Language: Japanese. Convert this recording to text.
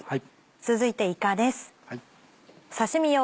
続いていかです。